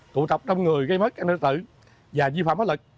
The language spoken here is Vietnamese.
tụ tập đông người gây mất các nguyên tử và di phạm bất lực